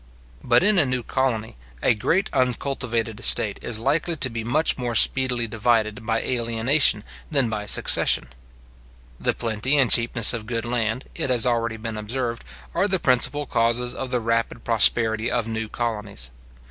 But, in a new colony, a great uncultivated estate is likely to be much more speedily divided by alienation than by succession. The plenty and cheapness of good land, it has already been observed, are the principal causes of the rapid prosperity of new colonies.